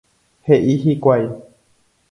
He'i hikuái.